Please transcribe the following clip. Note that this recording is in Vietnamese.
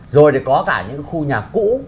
rồi có cả những khu nhà cũ